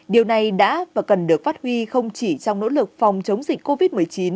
điều này đã và cần được phát huy không chỉ trong nỗ lực phòng chống dịch covid một mươi chín